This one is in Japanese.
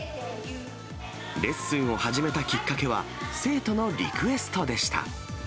レッスンを始めたきっかけは、生徒のリクエストでした。